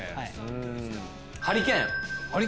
うんハリケーン。